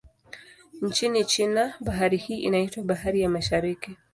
Nchini China, bahari hii inaitwa Bahari ya Mashariki.